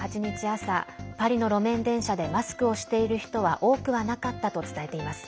朝パリの路面電車でマスクをしている人は多くはなかったと伝えています。